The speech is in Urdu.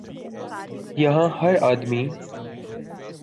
یہاں ہر آدمی